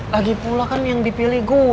lagipula kan yang dipilih gue